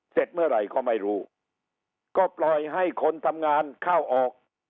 เสร็จเมื่อไหร่ก็ไม่รู้ก็ปล่อยให้คนทำงานเข้าออก